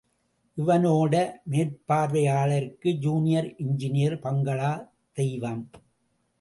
இவனோட மேற்பார்வையாளருக்கு junior engineer, bungalow தெய்வம்.